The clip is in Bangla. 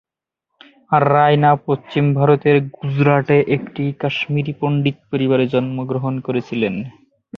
রায়না পশ্চিম ভারতের গুজরাটে একটি কাশ্মীরি পণ্ডিত পরিবারে জন্মগ্রহণ করেছিলেন।